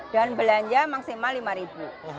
dan belanja maksimal rp lima